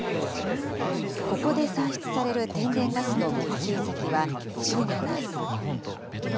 ここで産出される天然ガスの供給先は中国です。